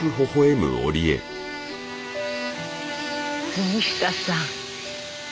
杉下さん。